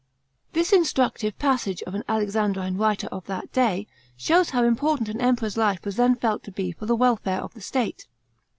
This instructive passage of an Alexandrine writer of that day, shows how important an Emperor's life was then felt to be for the welfare of the state.